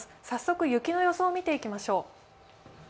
早速雪の予想を見ていきましょう。